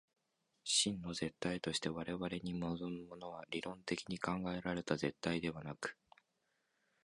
真の絶対として我々に臨むものは、論理的に考えられた絶対ではなく、